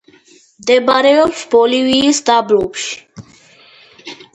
მდებარეობს ბოლივიის დაბლობში.